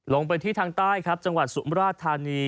ลงไปที่ทางใต้ครับจังหวัดสุมราชธานี